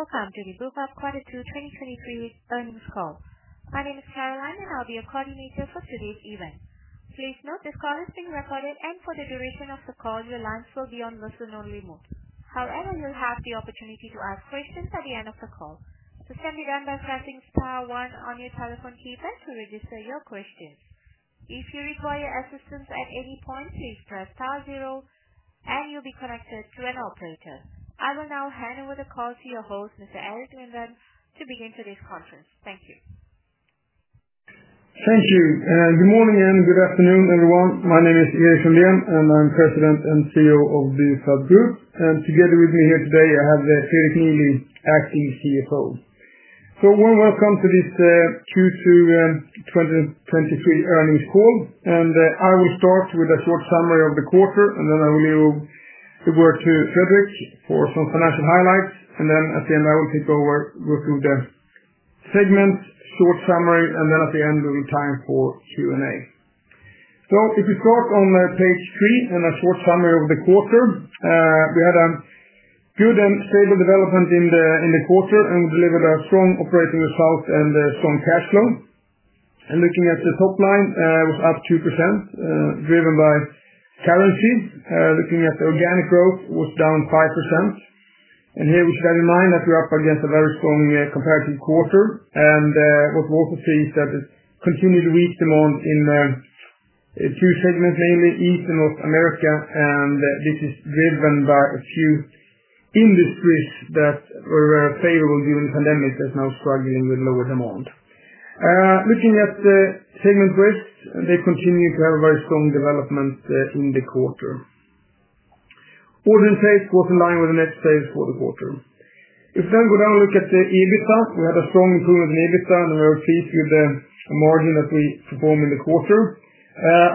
Welcome to the Bufab Quarter Two 2023 earnings call. My name is Caroline, I'll be your coordinator for today's event. Please note, this call is being recorded, for the duration of the call, your lines will be on listen-only mode. However, you'll have the opportunity to ask questions at the end of the call. To start, you're done by pressing star one on your telephone keypad to register your questions. If you require assistance at any point, please press star zero, you'll be connected to an operator. I will now hand over the call to your host, Mr. Erik Lundén, to begin today's conference. Thank you. Thank you, good morning and good afternoon, everyone. My name is Erik Lundén, and I'm President and CEO of the Bufab Group, and together with me here today, I have Frederick Neely, Acting CFO. Warm welcome to this Q2 2023 earnings call. I will start with a short summary of the quarter. I will move the word to Frederick for some financial highlights. At the end, I will take over go through the segment short summary. At the end, we'll have time for Q&A. If we start on page three, and a short summary of the quarter, we had a good and stable development in the, in the quarter and delivered a strong operating result and strong cash flow. Looking at the top line, was up 2%, driven by currency. Looking at organic growth, was down 5%. Here we should have in mind that we're up against a very strong comparative quarter. What we also see is that it continued to weak demand in a few segments, mainly East and North America, and this is driven by a few industries that were favorable during the pandemic, that's now struggling with lower demand. Looking at the segment first, they continue to have a very strong development in the quarter. Order and sales was in line with the net sales for the quarter. If you then go down and look at the EBITDA, we had a strong improvement in EBITDA, and you will see through the margin that we performed in the quarter.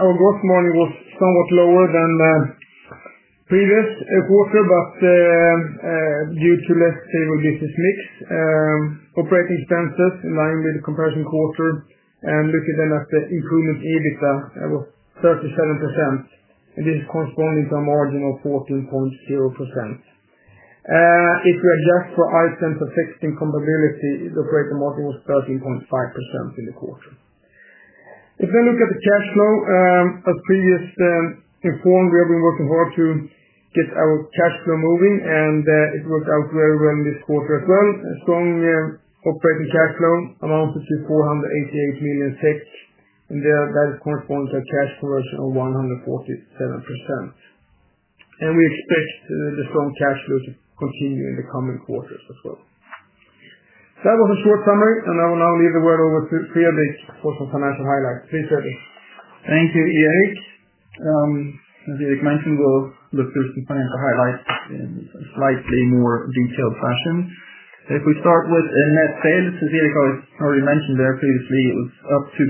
Our gross margin was somewhat lower than previous quarter, but due to less favorable business mix. Operating expenses in line with the comparison quarter and looking then at the improvement EBITDA was 37%, and this corresponds to a margin of 14.0%. If we adjust for items affecting comparability, the operating margin was 13.5% in the quarter. If you look at the cash flow, as previously informed, we have been working hard to get our cash flow moving, and it worked out very well in this quarter as well. A strong operating cash flow amounted to 488 million, and the that corresponds to a cash conversion of 147%. We expect the strong cash flow to continue in the coming quarters as well. That was a short summary, and I will now leave the word over to Frederick for some financial highlights. Please, Frederick. Thank you, Erik. As Erik mentioned, we'll look through the financial highlights in slightly more detailed fashion. If we start with the net sales, as Erik already mentioned there previously, it was up 2%.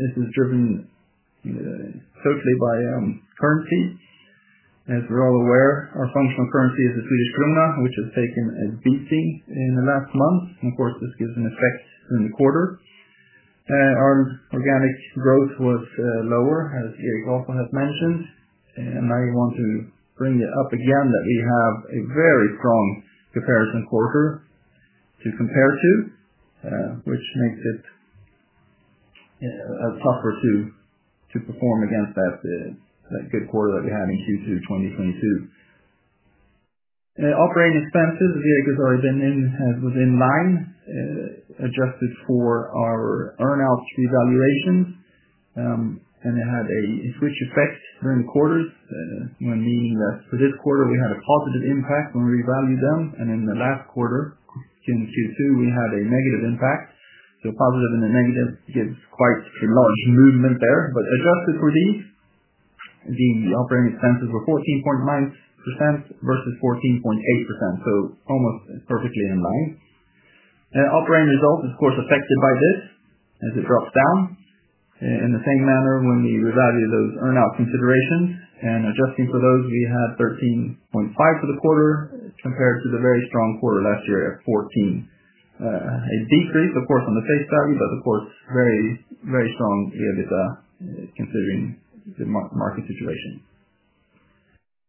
This is driven, totally by currency. As we're all aware, our functional currency is the Swedish krona, which has taken a beating in the last month. Of course, this gives an effect in the quarter. Our organic growth was lower, as Erik also has mentioned, and I want to bring it up again, that we have a very strong comparison quarter to compare to, which makes it tougher to perform against that good quarter that we had in Q2 2022. Operating expenses, as Erik has already been in, was in line, adjusted for our earn out revaluation, and it had a switch effect during the quarters. You know, meaning that for this quarter, we had a positive impact when we revalued them, and in the last quarter, in Q2, we had a negative impact. Positive and a negative gives quite a large movement there. Adjusted for these, the operating expenses were 14.9% versus 14.8%, almost perfectly in line. Operating results, of course, affected by this, as it drops down in the same manner when we revalue those earn out considerations. Adjusting for those, we had 13.5% for the quarter, compared to the very strong quarter last year at 14%. A decrease, of course, on the face value, but of course, very, very strong EBITDA, considering the market situation.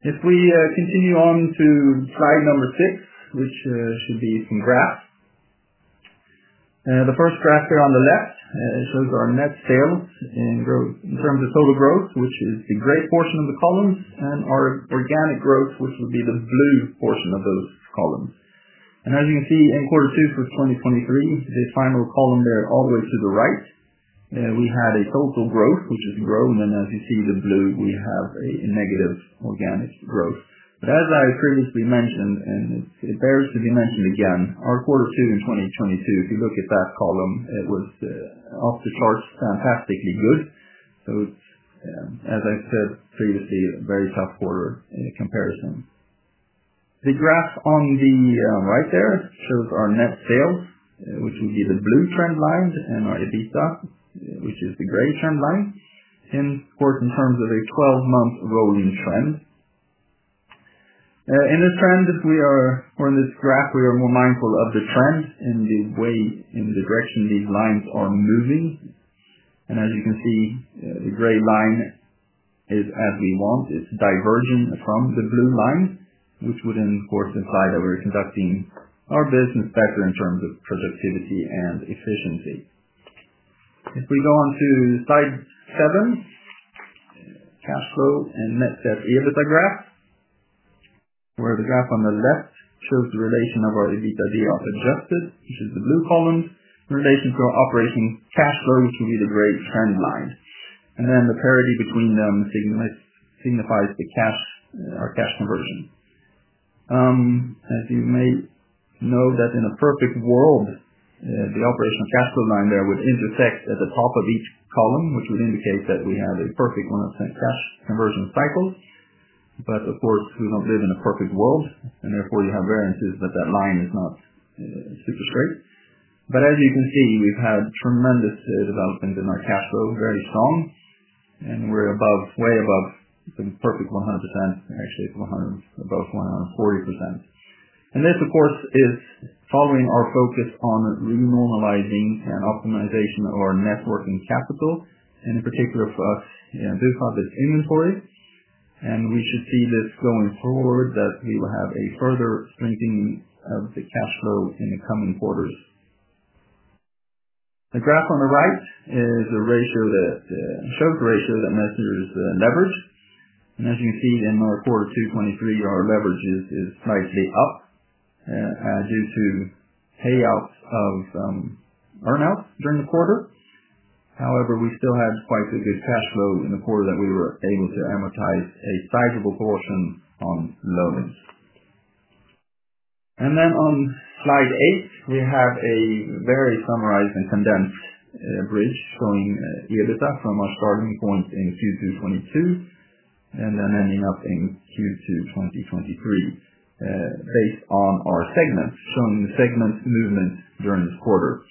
If we continue on to slide number six, which should be some graphs. The first graph here on the left, it shows our net sales in terms of total growth, which is the gray portion of the columns, and our organic growth, which would be the blue portion of those columns. As you can see, in quarter two for 2023, the final column there all the way to the right, we had a total growth, which is grown, and as you see the blue, we have a negative organic growth. As I previously mentioned, it bears to be mentioned again, our Q2 2022, if you look at that column, it was off the charts, fantastically good. As I said previously, a very tough quarter in comparison. The graph on the right there shows our net sales, which would be the blue trend line, and our EBITDA, which is the gray trend line, and of course, in terms of a 12-month rolling trend. In this trend, if we are or in this graph, we are more mindful of the trend and the way and the direction these lines are moving. As you can see, the gray line is as we want, it's diverging from the blue line, which would of course imply that we're conducting our business better in terms of productivity and efficiency. If we go on to slide seven, cash flow and net debt EBITDA graph, where the graph on the left shows the relation of our EBITDA adjusted, which is the blue column, in relation to our operating cash flow, which will be the gray trend line. The parity between them signifies the cash, our cash conversion. As you may know, that in a perfect world, the operational cash flow line there would intersect at the top of each column, which would indicate that we have a perfect 100% cash conversion cycle. Of course, we don't live in a perfect world, and therefore, you have variances, that that line is not, super straight. As you can see, we've had tremendous developments in our cash flow, very strong, and we're above, way above the perfect 100%, actually a hundred, above 140%. This, of course, is following our focus on re-normalizing and optimization of our net working capital, in particular for us, this has inventory, and we should see this going forward, that we will have a further strengthening of the cash flow in the coming quarters. The graph on the right is a ratio that shows a ratio that measures leverage. As you can see in our quarter two 2023, our leverage is slightly up due to payouts of earnouts during the quarter. However, we still had quite a good cash flow in the quarter, that we were able to amortize a sizable portion on loans. On slide eight, we have a very summarized and condensed bridge showing EBITDA from our starting point in Q2 2022, and then ending up in Q2 2023, based on our segments, showing the segment movement during the quarter.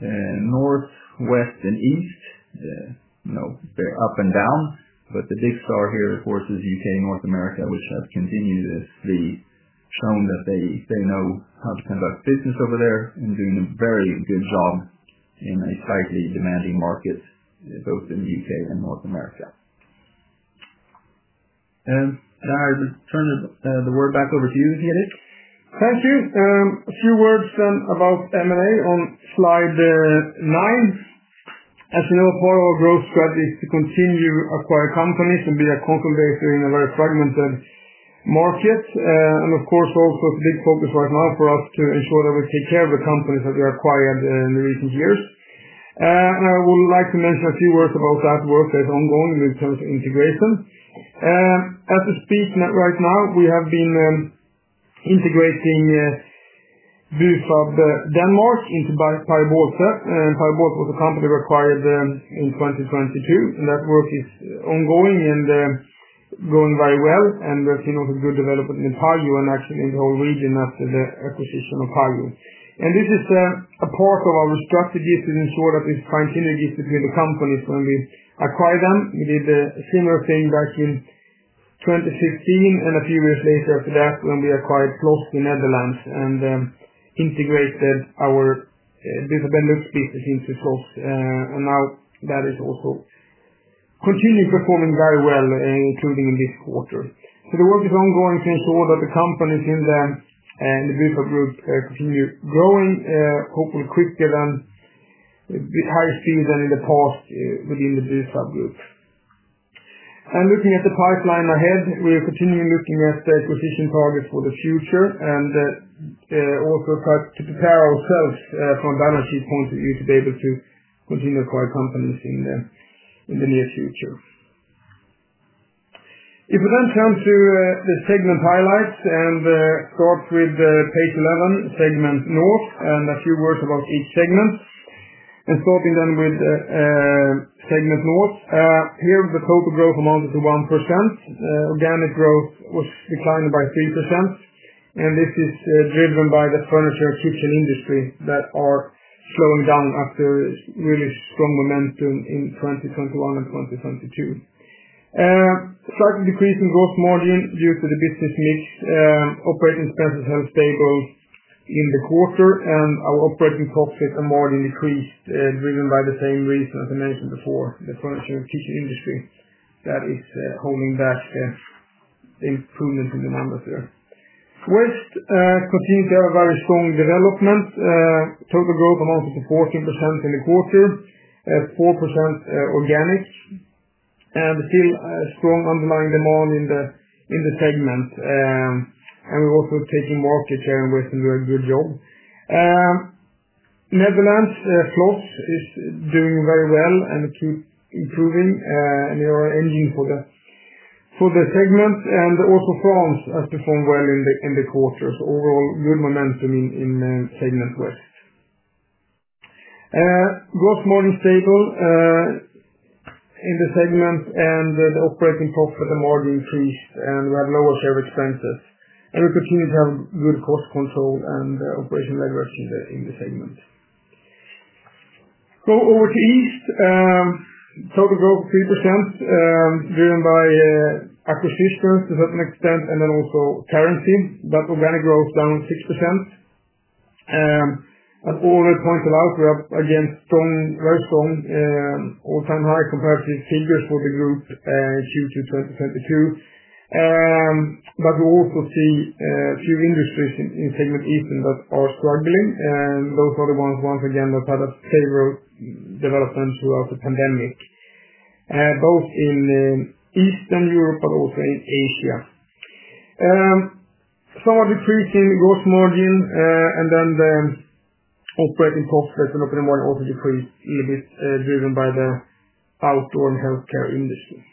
North, West and East, you know, they're up and down, but the big star here, of course, is U.K./North America, which have continuously shown that they know how to conduct business over there and doing a very good job in a slightly demanding market, both in the U.K. and North America. I would turn the word back over to you, Erik. Thank you. A few words about M&A on slide nine. As you know, part of our growth strategy is to continue acquire companies and be a consolidator in a very fragmented market. Of course, also a big focus right now for us to ensure that we take care of the companies that we acquired in the recent years. I would like to mention a few words about that work that's ongoing in terms of integration. At this stage, right now, we have been integrating Bufab of Denmark into Pajo-Bolte, and Pajo-Bolte, the company acquired in 2022. That work is ongoing and going very well, and we've seen also good development in Pajo-Bolte and actually in the whole region after the acquisition of Pajo-Bolte. This is a part of our strategy is to ensure that we find synergies between the companies when we acquire them. We did a similar thing back in 2015 and a few years later after that, when we acquired Flos in Netherlands and integrated our Benelux business into Flos. Now that is also continuing performing very well, including in this quarter. The work is ongoing to ensure that the companies in the Bufab Group continue growing, hopefully quicker than with high speed than in the past within the Bufab Group. Looking at the pipeline ahead, we are continuing looking at the acquisition targets for the future and also start to prepare ourselves from a balance sheet point of view, to be able to continue acquire companies in the, in the near future. If we then turn to the segment highlights and start with page 11, Segment North, and a few words about each segment. Starting then with Segment North. Here the total growth amounted to 1%. Organic growth was declined by 3%, and this is driven by the furniture kitchen industry, that are slowing down after really strong momentum in 2021 and 2022. Slightly decrease in growth margin due to the business mix. Operating expenses have stable in the quarter, our operating profits are margin decreased, driven by the same reason as I mentioned before, the furniture and kitchen industry, that is, holding back improvement in the market there. West continues to have a very strong development. Total growth amounts to 14% in the quarter, at 4% organic, and still a strong underlying demand in the, in the segment. We're also taking market share and we're doing a very good job. Netherlands, Flos is doing very well and keep improving, and they are aiming for the, for the segment and also France has performed well in the, in the quarter. Overall, good momentum in segment West. Growth margin stable in the segment, and the operating profit margin increased, and we have lower share expenses. We continue to have good cost control and operational leverage in the segment. Over to East, total growth 3%, driven by acquisitions to certain extent, and then also currency, but organic growth down 6%. All that points out, we are against strong, very strong, all-time high comparative figures for the group in Q2 2022. We also see a few industries in segment East that are struggling, and those are the ones, once again, that had a favorable development throughout the pandemic, both in Eastern Europe, but also in Asia. Slightly decreasing gross margin, and the operating profit margin also decreased a little bit, driven by the outdoor and healthcare industry.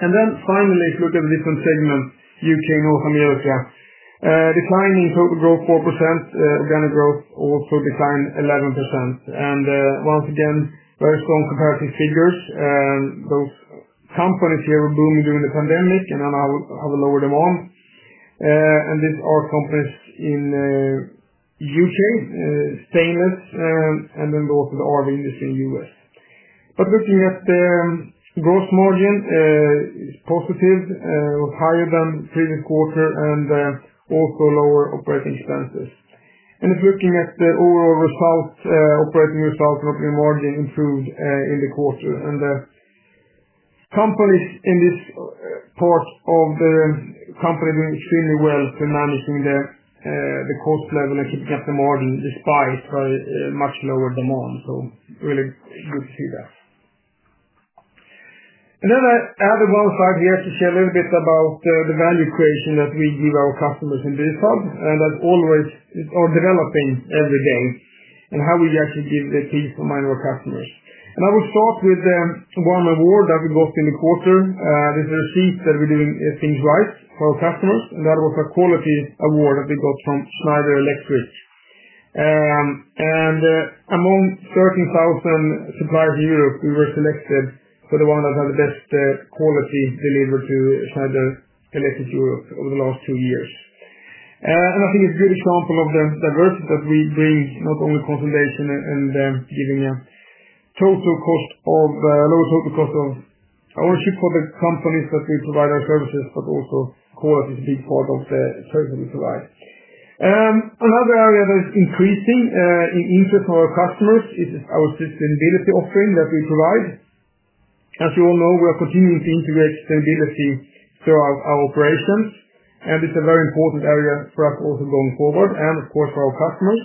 Finally, look at the different segments, U.K./North America. Declining total growth 4%, organic growth also declined 11%. Once again, very strong comparative figures. Those companies here were booming during the pandemic, I will lower them on. These are companies in U.K., stainless, and also the RV industry in U.S. Looking at the growth margin, is positive, higher than previous quarter and also lower operating expenses. If looking at the overall results, operating results, operating margin improved in the quarter. The companies in this part of the company doing extremely well in managing the cost level and to get the margin, despite very much lower demand. Really good to see that. Another one slide here to share a little bit about the value creation that we give our customers in TIMCO, and that always are developing every day, and how we actually give the keys to minor customers. I will start with one award that we got in the quarter. This is a sheet that we're doing things right for our customers, and that was a quality award that we got from Schneider Electric. Among 13,000 suppliers in Europe, we were selected for the one that had the best quality delivered to Schneider Electric Europe over the last two years. I think it's a good example of the diversity that we bring, not only consolidation and giving a total cost of low total cost of ownership for the companies that we provide our services, but also quality is a big part of the service we provide. Another area that is increasing in interest for our customers is our sustainability offering that we provide. As you all know, we are continuing to integrate sustainability throughout our operations, and it's a very important area for us also going forward and of course, for our customers.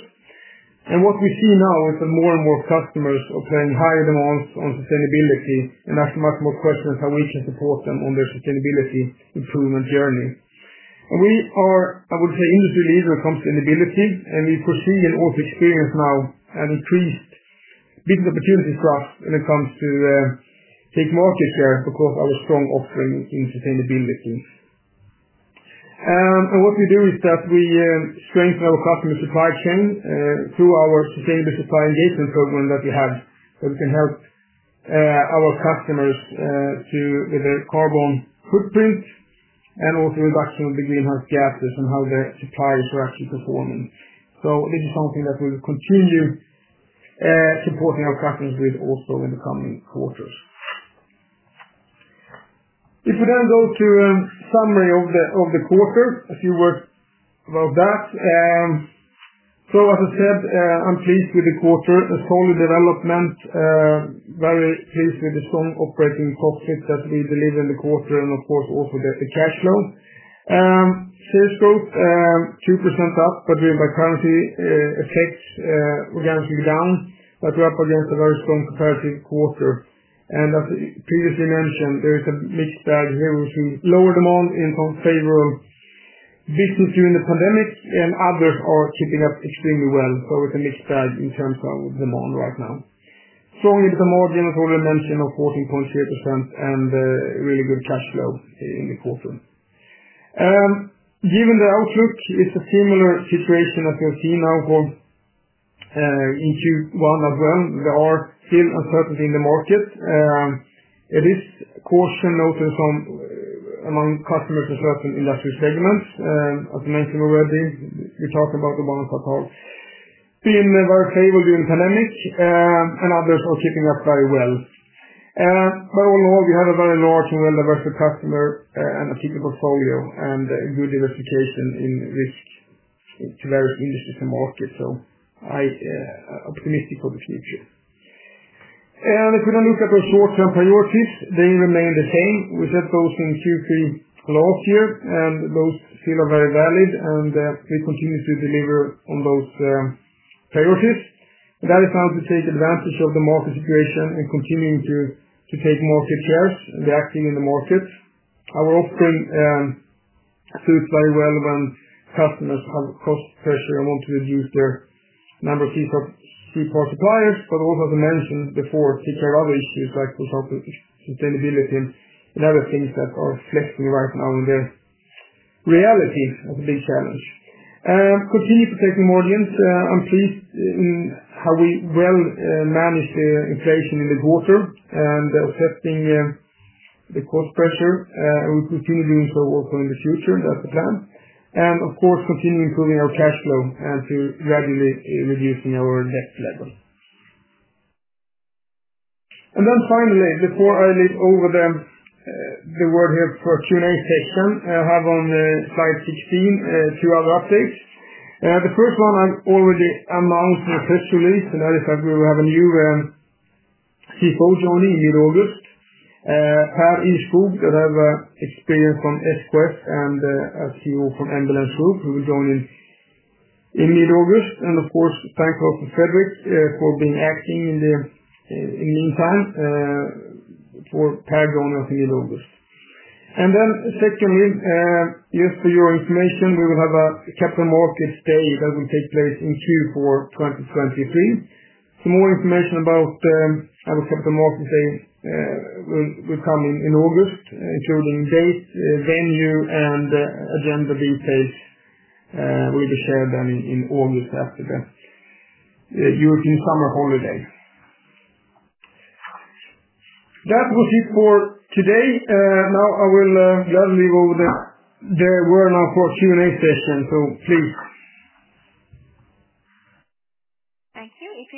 What we see now is that more and more customers are putting higher demands on sustainability, and ask much more questions how we can support them on their sustainability improvement journey. We are, I would say, industry leader in sustainability, and we're seeing and also experience now an increased business opportunity for us when it comes to take market share because of our strong offering in sustainability. What we do is that we strengthen our customer supply chain through our sustainability supply engagement program that we have. We can help our customers to with their carbon footprint and also reduction of the greenhouse gases and how their suppliers are actually performing. This is something that we'll continue supporting our customers with also in the coming quarters. If we then go to a summary of the quarter, a few words about that. As I said, I'm pleased with the quarter. A solid development, very pleased with the strong operating profit that we delivered in the quarter, and of course, also get the cash flow. Sales growth, 2% up, but driven by currency effects, organic down, but we're up against a very strong comparative quarter. As previously mentioned, there is a mixed bag here. We see lower demand in some favorable business during the pandemic, and others are keeping up extremely well. It's a mixed bag in terms of demand right now. Strongly become margin, as I mentioned, of 14.3% and really good cash flow in the quarter. Given the outlook, it's a similar situation as we have seen now for in Q1 as well. There are still uncertainty in the market. It is caution also among customers in certain industrial segments. As I mentioned already, we talked about the ones that have been very favorable during the pandemic, and others are keeping up very well. Overall, we have a very large and well-diversified customer, and a sector portfolio and a good diversification in risk to various industries and markets. I are optimistic for the future. If we now look at our short-term priorities, they remain the same. We set those in Q3 last year, and those still are very valid, and we continue to deliver on those priorities. That is how to take advantage of the market situation and continuing to take market shares and reacting in the market. Our offering feels very relevant. Customers have cost pressure and want to reduce their number of people, suppliers, but also, as I mentioned before, taking other issues like we talked about sustainability and other things that are flexing right now. The reality is a big challenge. Continue to take margins. I'm pleased in how we well manage the inflation in the quarter and offsetting the cost pressure. We continue doing so also in the future. That's the plan. Of course, continue improving our cash flow and to gradually reducing our net debt level. Finally, before I leave over the word here for Q&A session, I have on slide 16, two other updates. The first one I've already announced in a press release, in that effect, we will have a new CFO joining in mid-August. Pär Ihrskog, that have experience from SKF Group and as CEO from Embellence Group, who will join in mid-August. Of course, thanks also to Frederick for being acting in the meantime for Pär joining us in mid-August. Secondly, just for your information, we will have a Capital Market Day that will take place in Q4 2023. For more information about our capital markets day will come in August, including date, venue, and agenda details will be shared then in August after the during summer holidays. That was it for today. Now I will gladly hand over the word now for Q&A session, so please.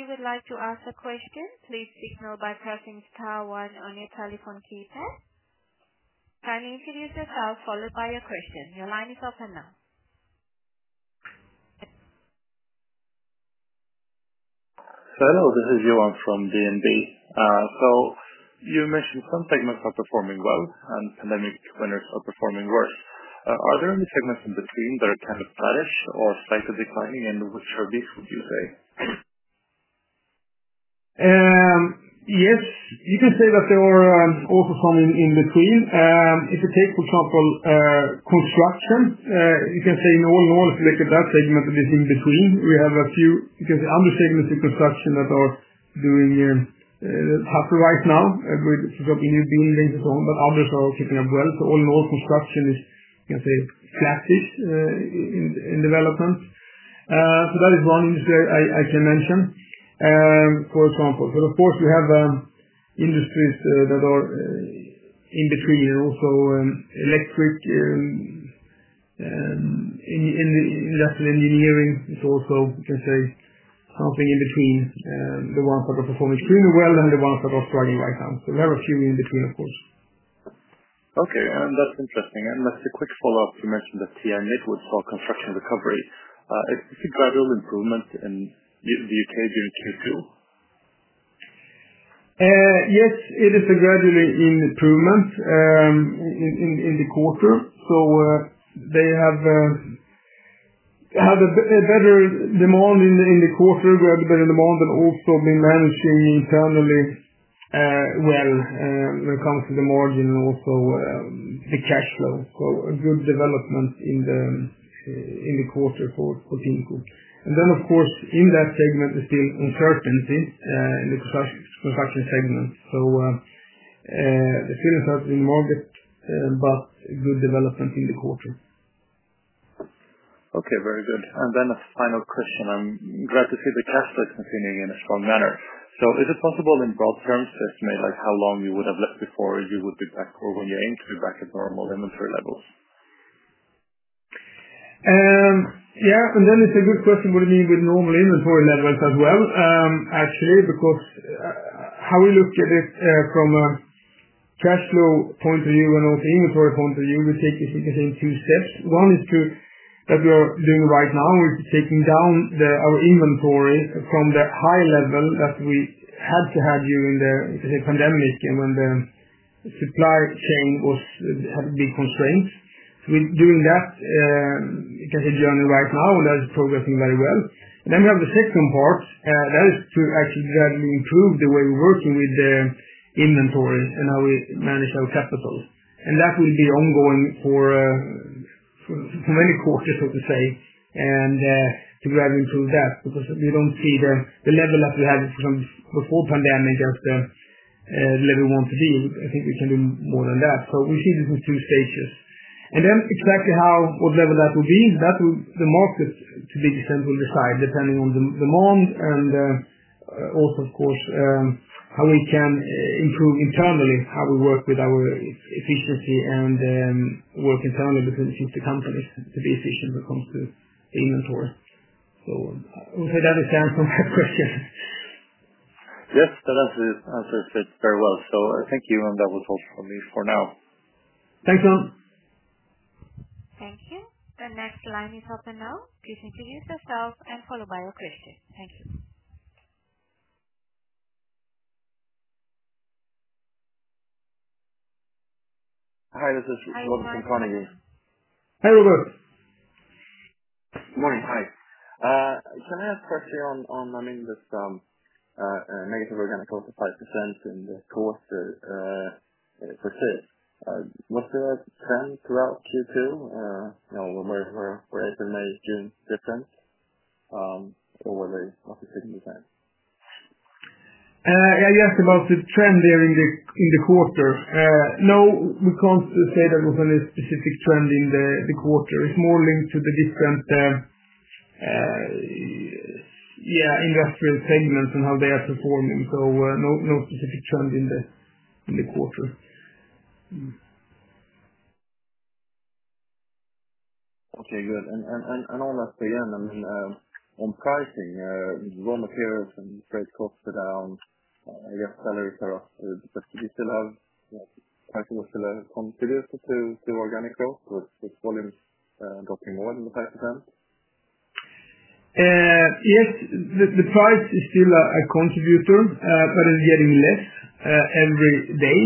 Thank you. If you would like to ask a question, please signal by pressing star one on your telephone keypad. Kindly introduce yourself followed by your question. Your line is open now. Hello, this is Johan from DNB. You mentioned some segments are performing well, and pandemic winners are performing worse. Are there any segments in between that are kind of flattish or slightly declining, and which are these, would you say? Yes, you can say that there are also some in between. If you take, for example, construction, you can say in all in all, if you look at that segment, it is in between. We have a few, you can say, other segments in construction that are doing halfway right now, with building and so on, but others are keeping up well. All in all, construction is, you can say, flattish, in development. That is one industry I can mention, for example. Of course we have industries that are in between and also electric industrial engineering is also, you can say, halfway in between the ones that are performing extremely well and the ones that are struggling right now. We have a few in between, of course. Okay. That's interesting. Just a quick follow-up. You mentioned that TIMCO saw a construction recovery. It's a gradual improvement in the U.K. during Q2? Yes, it is a gradually improvement in the quarter. They have a better demand in the quarter. We have a better demand and also been managing internally well, when it comes to the margin and also the cash flow. A good development in the quarter for TIMCO. Of course, in that segment, there's still uncertainty in the construction segment. The still has been market, but a good development in the quarter. Okay, very good. A final question. I'm glad to see the cash flow continuing in a strong manner. Is it possible in broad terms to estimate, like, how long you would have left before you would be back or when you aim to be back at normal inventory levels? That is a good question, what it means with normal inventory levels as well. Actually, because how we look at it from a cash flow point of view and also the inventory point of view, we take it in two steps. That we are doing right now, is taking down our inventory from the high level that we had to have during the pandemic and when the supply chain was had big constraints. We're doing that, you can say, journey right now, and that's progressing very well. Then we have the second part that is to actually gradually improve the way we're working with the inventory and how we manage our capital. That will be ongoing for many quarters, so to say, and, to gradually improve that, because we don't see the level that we had from before pandemic as the, level we want to be. I think we can do more than that. We see this in two stages. Then exactly how or whatever that will be, that will, the market, to be fair, will decide, depending on the demand and, also of course, how we can improve internally, how we work with our efficiency and, work internally within the company to be efficient when it comes to inventory. I hope that answers your question. Yes, that answers it very well. Thank you, and that was all from me for now. Thank you. Thank you. The next line is open now. Please introduce yourself and followed by your question. Thank you. Hi. Hi. Robert from Carnegie. Hi, Robert. Good morning. Hi. Can I ask a question on, I mean, this negative organic close to 5% in the quarter, for two? Was there a trend throughout Q2, you know, where it may seem different, or were they not expecting that? You asked about the trend there in the, in the quarter. No, we can't say there was any specific trend in the quarter. It's more linked to the different industrial segments and how they are performing. No, no specific trend in the, in the quarter. Okay, good. On that again, I mean, on pricing, raw materials and freight costs are down, I guess, salaries are up, but you still have, pricing still a contributor to organic growth with volumes, dropping more than the price tag? Yes, the price is still a contributor, it's getting less every day.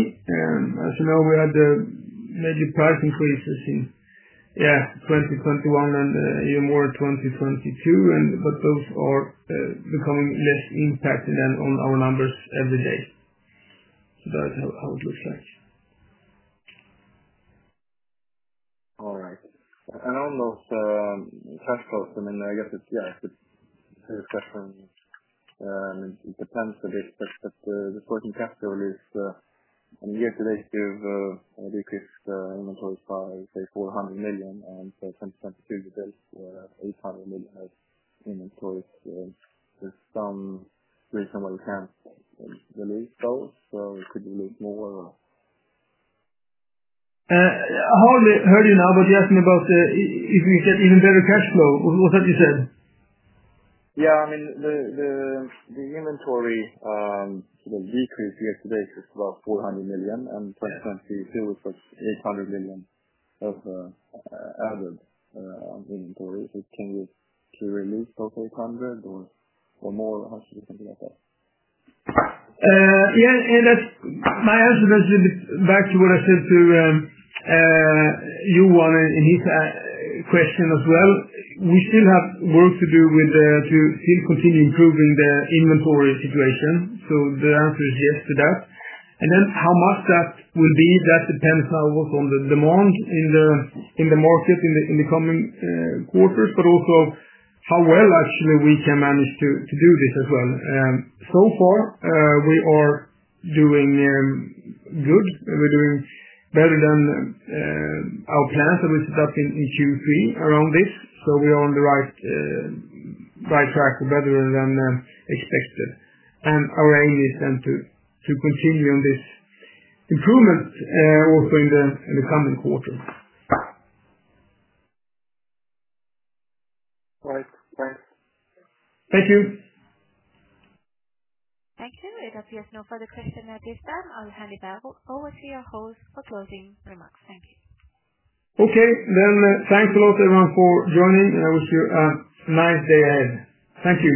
As you know, we had the major price increases in 2021 and even more 2022. Those are becoming less impacted on our numbers every day. That is how it looks like. All right. On those, cash flows, I mean, I guess it's, yeah, it's very different, it depends a bit, but, the working capital is, I mean, year to date, you've, decreased, inventories by, say, 400 million, and so 10% to date, SEK 800 million of inventories. There's some reason why we can't release those, or could we release more of them? I hardly heard you now, but you asking about if we get even better cash flow. What have you said? Yeah, I mean, the inventory, the decrease year-to-date is about 400 million, and 2022, it's like 800 million of added inventory. Can we to release those 800 million or more? How should we think about that? Yeah, and that's... My answer is back to what I said to Johan, in his question as well. We still have work to do to still continue improving the inventory situation. The answer is yes to that. How much that will be? That depends on the demand in the market, in the coming quarters, but also how well actually we can manage to do this as well. So far, we are doing good. We're doing better than our plans that we set up in Q3 around this. We are on the right track better than expected. Our aim is then to continue on this improvement also in the coming quarters. Right. Thanks. Thank you. Thank you. If there's no further questions at this time, I'll hand it back over to your host for closing remarks. Thank you. Okay. thanks a lot everyone for joining, and I wish you a nice day ahead. Thank you.